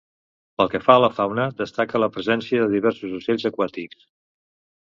Pel que fa a la fauna destaca la presència de diversos ocells aquàtics.